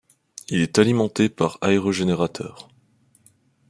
Il est alimenté par aérogénérateur.